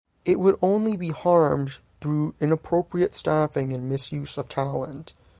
It would only be harmed through inappropriate staffing and misuse of talent.